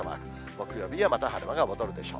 木曜日にはまた晴れ間が戻るでしょう。